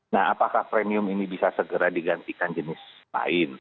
nah apakah premium ini bisa segera digantikan jenis lain